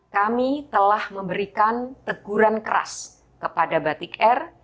kami telah memberikan teguran keras kepada batik air